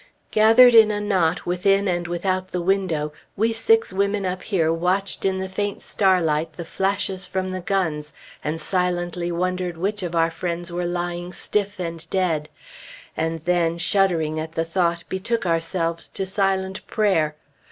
Gathered in a knot within and without the window, we six women up here watched in the faint starlight the flashes from the guns, and silently wondered which of our friends were lying stiff and dead, and then, shuddering at the thought, betook ourselves to silent prayer.